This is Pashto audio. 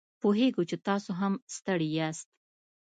پوهیږو چې تاسو هم ستړي یاست